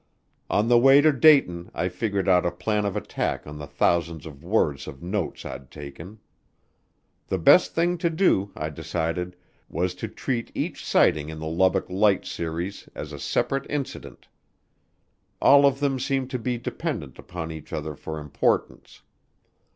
On the way to Dayton I figured out a plan of attack on the thousands of words of notes I'd taken. The best thing to do, I decided, was to treat each sighting in the Lubbock Light series as a separate incident. All of them seemed to be dependent upon each other for importance.